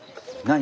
何？